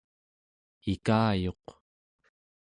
ikayuq